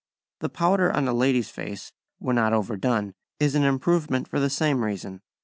] The powder on a lady's face, when not over done, is an improvement for the same reason.